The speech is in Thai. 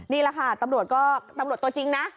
นี่แหละค่ะตำรวจตัวจริงนะ